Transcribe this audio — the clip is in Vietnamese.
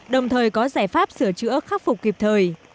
đồng thời có giải pháp sửa chữa khắc phục kịp thời